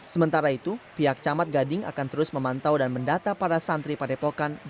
sementara itu pihak camat gading akan terus memantau dan mendata para santri padepokan